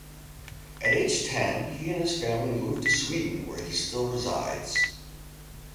At age ten, he and his family moved to Sweden, where he still resides.